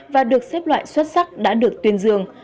và được xếp loại xuất sắc đã được tuyên dương